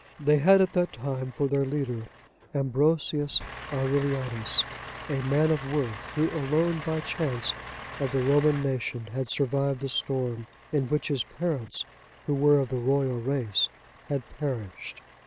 They had at that time for their leader, Ambrosius Aurelianus,(90) a man of worth, who alone, by chance, of the Roman nation had survived the storm, in which his parents, who were of the royal race, had perished.